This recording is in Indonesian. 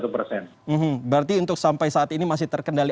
berarti untuk sampai saat ini masih terkendali